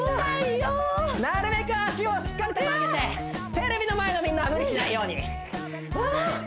なるべく脚をしっかりと曲げてテレビの前のみんなは無理しないようにうわあ！